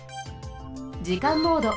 じかんモード。